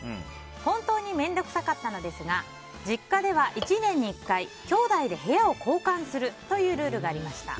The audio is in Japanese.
本当に面倒くさかったのですが実家では１年に１回きょうだいで部屋を交換するというルールがありました。